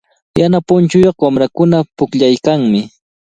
Yana punchuyuq wamrakunaqa pukllaykanmi.